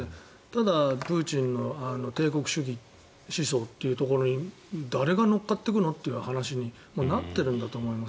ただプーチンの帝国主義思想というところに誰が乗っかってくるのという話になっているんだと思う。